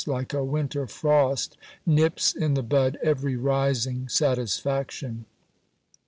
like a winter frost, nips in the bud every rising satisfaction.